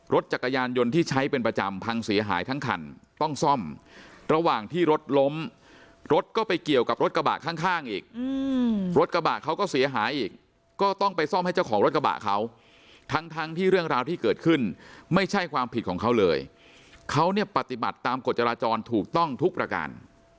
รถจักรยานยนต์ที่ใช้เป็นประจำพังเสียหายทั้งคันต้องซ่อมระหว่างที่รถล้มรถก็ไปเกี่ยวกับรถกระบะข้างอีกรถกระบะเขาก็เสียหายอีกก็ต้องไปซ่อมให้เจ้าของรถกระบะเขาทั้งทั้งที่เรื่องราวที่เกิดขึ้นไม่ใช่ความผิดของเขาเลยเขาเนี่ยปฏิบัติตามกฎจราจรถูกต้องทุกประการ